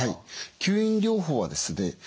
吸引療法はですね